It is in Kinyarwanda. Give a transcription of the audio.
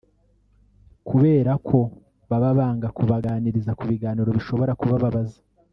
kuberako baba banga kubaganiriza ku biganiro bishobora kubabaza